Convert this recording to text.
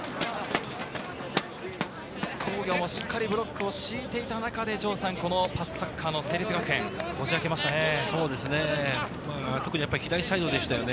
津工業もしっかりブロックを敷いていた中で城さん、このパスサッカーの成立学園、こじあけましたね。